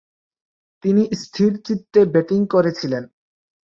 তিনি স্থিরচিত্তে ব্যাটিং করেছিলেন।